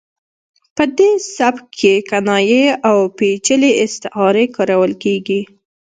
په دې سبک کې کنایې او پیچلې استعارې کارول کیږي